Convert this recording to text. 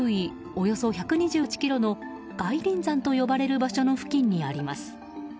およそ１２８ｋｍの外輪山と呼ばれる場所の付近にあります。